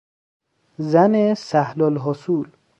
زن سهلالحصول